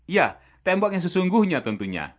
ya tembok yang sesungguhnya tentunya